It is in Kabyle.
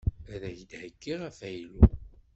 Ad ak-d-heyyiɣ afaylu.